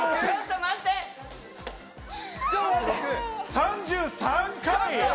３３回！